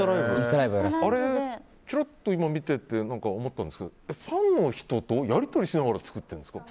あれ、ちらっと見てて思ったんですけどファンの人とやり取りしながら作ってるんですか。